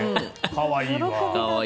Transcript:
可愛いわ。